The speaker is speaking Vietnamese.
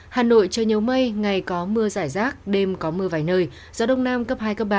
hà nội trời nhiều mây ngày có mưa giải rác đêm có mưa vài nơi gió đông nam cấp hai cấp ba